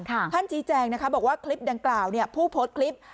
ท่านชี้แจงนะคะบอกว่าคลิปดังกล่าวผู้โพสต์คลิป